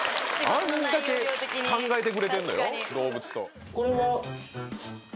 あんだけ考えてくれてんのよ。